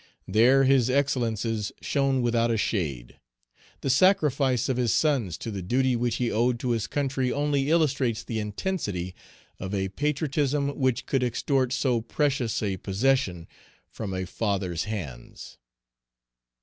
There his excellences shone without a shade. The sacrifice of his sons to the duty which he owed to his country only illustrates the intensity of a patriotism which could extort so precious a possession from a father's hands.